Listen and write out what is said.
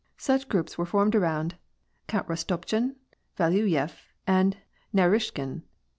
Such groups were formed around Count Rostopchin, Valuyef, and Naruishkin.